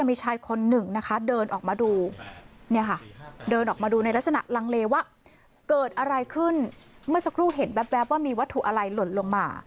เมื่อสักครู่เห็นแบบว่ามีวัตถุอะไรหล่นลงมา